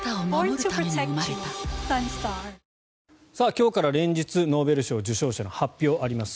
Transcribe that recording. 今日から連日ノーベル賞受賞者の発表があります。